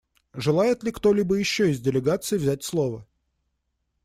Желает ли кто-либо еще из делегаций взять слово?